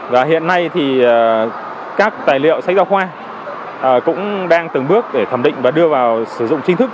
và hiện nay thì các tài liệu sách giáo khoa cũng đang từng bước để thẩm định và đưa vào sử dụng chính thức